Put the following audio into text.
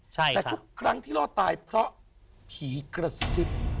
แต่ทุกครั้งที่รอดตายเพราะผีกระซิบ